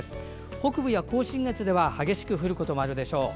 北部や甲信越では激しく降ることもあるでしょう。